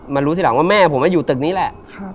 รู้ทีหลังว่าแม่ผมอยู่ตึกนี้แหละ